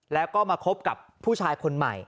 แล้วก็มาคบกับผู้ชายคนใหม่